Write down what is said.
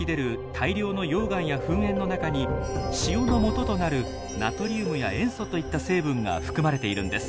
大量の溶岩や噴煙の中に塩のもととなるナトリウムや塩素といった成分が含まれているんです。